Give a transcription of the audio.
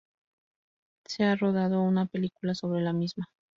Se ha rodado una película sobre la misma.